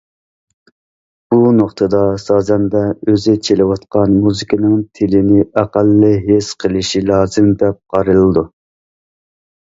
بۇ نۇقتىدا سازەندە ئۆزى چېلىۋاتقان مۇزىكىنىڭ تىلىنى ئەقەللىي ھېس قىلىشى لازىم، دەپ قارىلىدۇ.